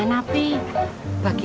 jangan sampai n cantik